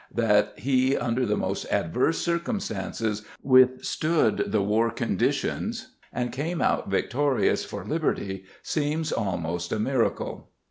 That he under the most adverse circumstances withstood the war conditions and came out victorious for liberty seems almost a miracle.